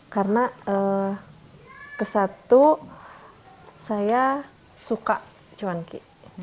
karena ke satu saya suka cuan ki